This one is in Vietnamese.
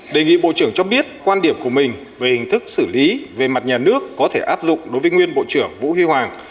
đề nghị bộ trưởng cho biết quan điểm của mình về hình thức xử lý về mặt nhà nước có thể áp dụng đối với nguyên bộ trưởng vũ huy hoàng